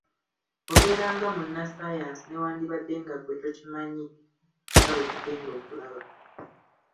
Obeera nga Munnassaayasansi newandibadde nga ggwe tokimanyi nga bwe tugenda okulaba.